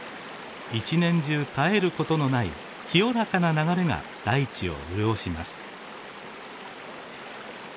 一年中絶えることのない清らかな流れが大地を潤します。